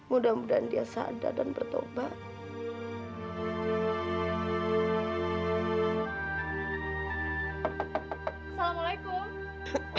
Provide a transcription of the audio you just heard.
mudah mudahan dia sadar dan bertobat assalamualaikum